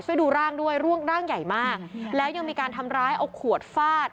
ช่วยดูร่างด้วยร่วงร่างใหญ่มากแล้วยังมีการทำร้ายเอาขวดฟาด